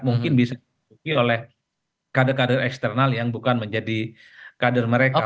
mungkin bisa ditunjuk oleh kader kader eksternal yang bukan menjadi kader mereka